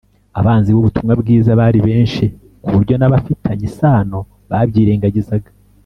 abanzi b’ubutumwa bwiza bari benshi, ku buryo n’abafitanye isano babyirengagizaga